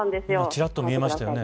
今、ちらっと見えましたよね